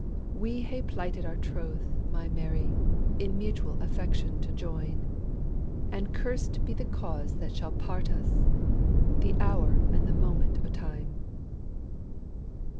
We hae plighted our troth, my Mary, In mutual affection to join; And curst be the cause that shall part us! The hour and the moment o' time!